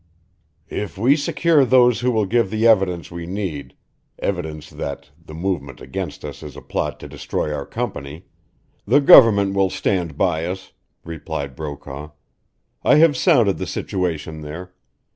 "If we secure those who will give the evidence we need evidence that the movement against us is a plot to destroy our company, the government will stand by us," replied Brokaw. "I have sounded the situation there.